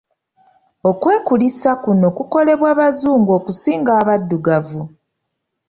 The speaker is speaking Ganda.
Okwekulisa kuno kukolebwa Bazungu okusinga abaddugavu.